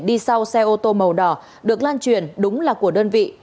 đi sau xe ô tô màu đỏ được lan truyền đúng là của đơn vị